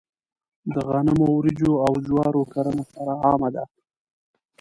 د غنمو، وريجو او جوارو کرنه خورا عامه ده.